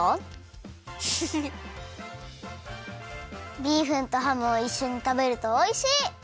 ビーフンとハムをいっしょにたべるとおいしい！